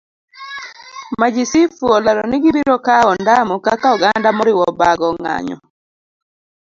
Majisifu olero ni gibiro kawo ondamo kaka oganda moriwo bago ng'anyo